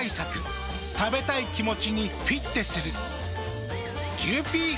食べたい気持ちにフィッテする。